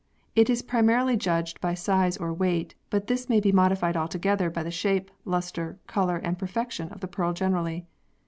It is primarily judged by size or weight, but this may be modified altogether by the shape, lustre, colour and perfection of the pearl generally.